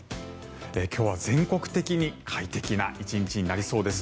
今日は全国的に快適な１日になりそうです。